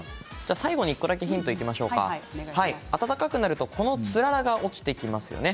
最後に１個だけヒントいきましょうか、暖かくなるとつららが落ちてきますよね。